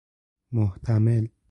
محتمل